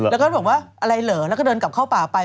แล้วก็บอกว่าอะไรเหรอแล้วก็เดินกลับเข้าป่าไป